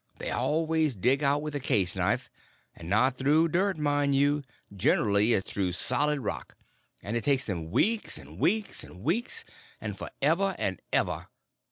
They always dig out with a case knife—and not through dirt, mind you; generly it's through solid rock. And it takes them weeks and weeks and weeks, and for ever and ever.